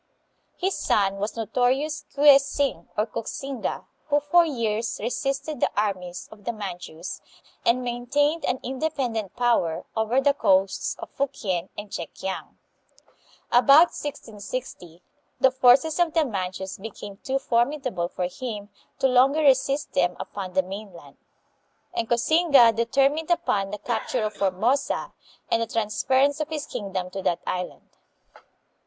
His son was the notorious Kue Sing, or Koxinga, who for years resisted the armies of the Manchus, and main tained an independent power over the coasts of Fukien and Chekiang. About 1660 the forces of the Manchus became too formidable for him to longer resist them upon the mainland, and Koxinga determined upon the capture of Formosa and the transference of his kingdom to that island.